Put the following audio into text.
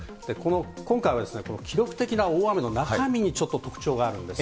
今回は記録的な大雨の中身にちょっと特徴があるんです。